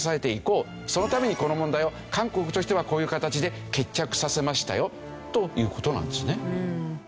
そのためにこの問題を韓国としてはこういう形で決着させましたよという事なんですね。